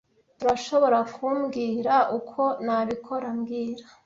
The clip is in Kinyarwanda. Turashoborakumbwira uko nabikora mbwira